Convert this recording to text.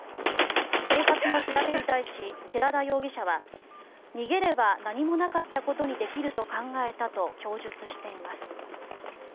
警察の調べに対し寺田容疑者は逃げれば何もなかったことにできると考えたと供述しています。